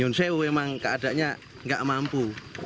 ini memang keadanya tidak mampu